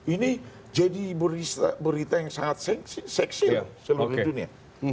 ini jadi berita yang sangat seksi loh seluruh dunia